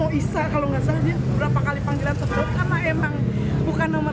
kerusakan bus juga dilaporkan peserta yang selamat